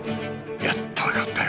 ☎やっと分かったよ